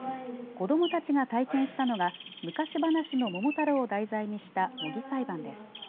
子どもたちが体験したのが昔話の桃太郎を題材にした模擬裁判です。